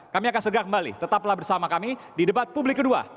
kami akan segera kembali tetaplah bersama kami di debat publik kedua